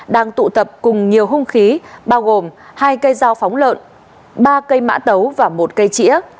đang tụ tập cùng nhiều hung khí bao gồm hai cây dao phóng lợn ba cây mã tấu và một cây chĩa